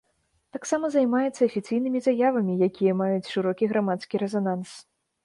Таксама займаецца афіцыйнымі заявамі, якія маюць шырокі грамадскі рэзананс.